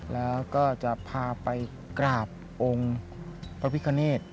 แล้วก็จะพาไปกราบองค์พระพิคเนต